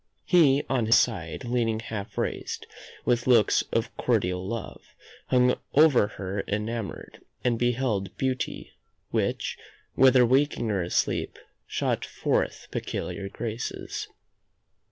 He on his side Leaning half raised, with looks of cordial love, Hung over her enamoured, and beheld Beauty, which, whether waking or asleep, Shot forth peculiar graces.